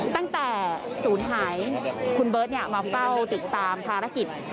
ตั้งแต่สูตรหายคุณเบิร์ดเนี่ยมาเฝ้าติดตามภารกิจ